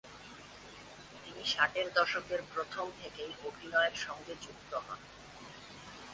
তিনি ষাটের দশকের প্রথম থেকেই অভিনয়ের সঙ্গে যুক্ত হন।